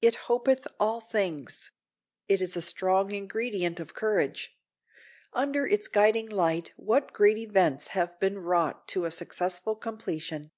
"It hopeth all things." It is a strong ingredient of courage. Under its guiding light what great events have been wrought to a successful completion!